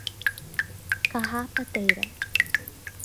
Carrapateira